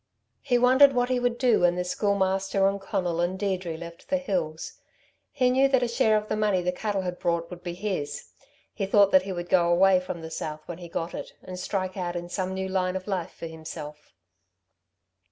He wondered what he would do when the Schoolmaster and Conal and Deirdre left the hills. He knew that a share of the money the cattle had brought would be his. He thought that he would go away from the South when he got it, and strike out in some new line of life for himself.